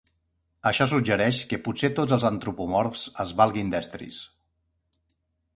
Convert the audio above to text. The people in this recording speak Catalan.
Això suggereix que potser tots els antropomorfs es valguin d'estris.